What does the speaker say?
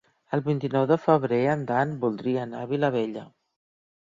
El vint-i-nou de febrer en Dan voldria anar a Vilabella.